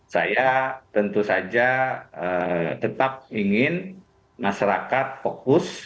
saya tentu saja tetap ingin masyarakat fokus